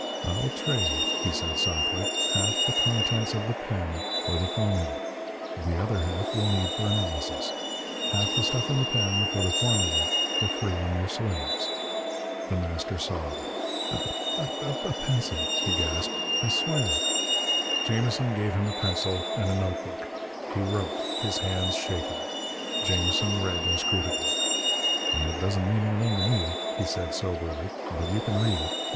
"I'll trade," he said softly. "Half the contents of the pen for the formula. The other half we'll need for analysis. Half the stuff in the pen for the formula for freeing your slaves!" The Master sobbed. "A a pencil!" he gasped. "I swear " Jamison gave him a pencil and a notebook. He wrote, his hands shaking. Jamison read inscrutably. "It doesn't mean anything to me," he said soberly, "but you can read it.